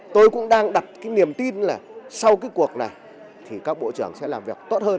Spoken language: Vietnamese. tôi cũng đang đặt cái niềm tin là sau cái cuộc này thì các bộ trưởng sẽ làm việc tốt hơn